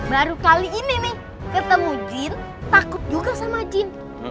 baru kali ini nih ketemu jin takut juga sama jin